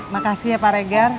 makasih ya pak regan